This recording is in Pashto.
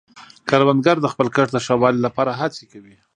کروندګر د خپل کښت د ښه والي لپاره هڅې کوي